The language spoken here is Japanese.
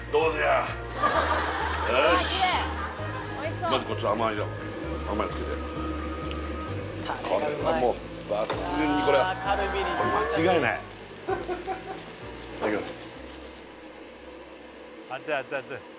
よしまずこっちの甘いの甘いのつけてこれはもう抜群にこれは間違いないいただきます